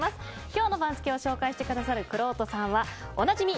今日の番付を紹介してくださるくろうとさんはおなじみ